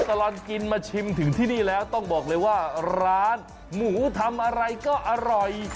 ตลอดกินมาชิมถึงที่นี่แล้วต้องบอกเลยว่าร้านหมูทำอะไรก็อร่อย